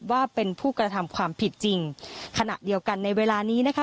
ว่าเป็นผู้กระทำความผิดจริงขณะเดียวกันในเวลานี้นะคะ